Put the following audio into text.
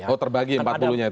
oh terbagi empat puluh nya itu